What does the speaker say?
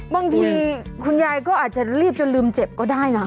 บางทีคุณยายก็อาจจะรีบจนลืมเจ็บก็ได้นะ